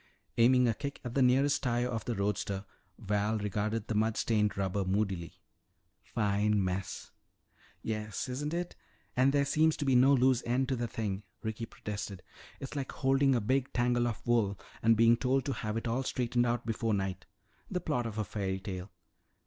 Aiming a kick at the nearest tire of the roadster, Val regarded the mud stained rubber moodily. "Fine mess!" "Yes, isn't it? And there seems to be no loose end to the thing," Ricky protested. "It's like holding a big tangle of wool and being told to have it all straightened out before night the plot of a fairy tale.